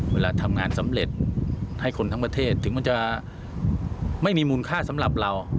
เวลาทำงานสำเร็จให้คนทั้งประเทศถึงมันจะไม่มีมูลค่าสำหรับเรา